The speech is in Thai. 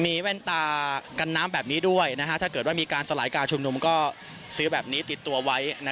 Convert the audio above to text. มีแว่นตากันน้ำแบบนี้ด้วยถ้าเกิดว่ามีการสลายการชุมนุมก็ซื้อแบบนี้ติดตัวไว้